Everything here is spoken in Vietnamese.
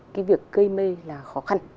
cái việc gây mê là khó khăn